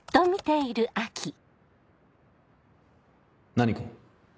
何か？